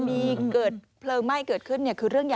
มีเกิดเพลิงไหม้เกิดขึ้นคือเรื่องใหญ่